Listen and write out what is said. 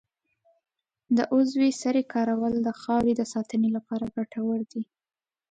د عضوي سرې کارول د خاورې د ساتنې لپاره ګټور دي.